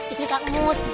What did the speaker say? istri kak mus